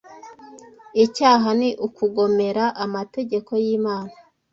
Icyaha ni ukugomera amategeko y’Imana,